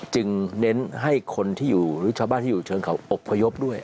เน้นให้คนที่อยู่หรือชาวบ้านที่อยู่เชิงเขาอบพยพด้วย